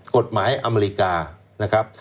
กฎหมายอเมริกานะครับ